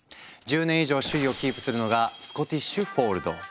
１０年以上首位をキープするのが「スコティッシュ・フォールド」。